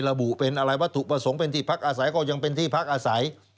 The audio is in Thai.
ระบุเป็นอะไรวัตถุประสงค์เป็นที่พักอาศัยก็ยังเป็นที่พักอาศัย